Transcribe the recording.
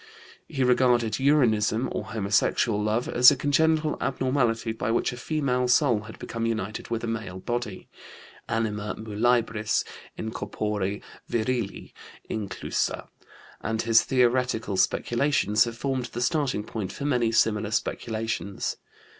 He regarded uranism, or homosexual love, as a congenital abnormality by which a female soul had become united with a male body anima muliebris in corpore virili inclusa and his theoretical speculations have formed the starting point for many similar speculations.